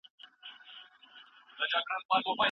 خو ساتونکي دا حق ترې اخیستی و.